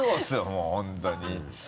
もう本当に。